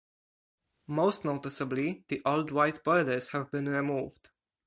Most noticeably, the old white borders have been removed.